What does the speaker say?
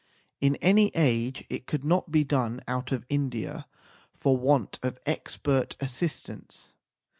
In any age it could not be done out of India for want of expert assistance.